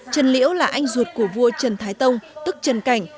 trần liễu là anh ruột của vua trần thái tông tức trần cảnh